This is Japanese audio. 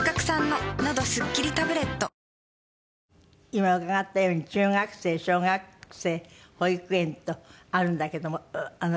今伺ったように中学生小学生保育園とあるんだけども。